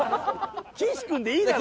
岸君でいいだろ。